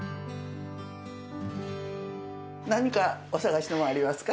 何かお探しのものありますか？